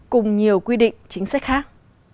cùng nhiều quy định chính sách khác